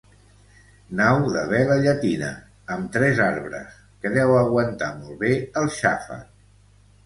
Nau de vela llatina, amb tres arbres, que deu aguantar molt bé el xàfec.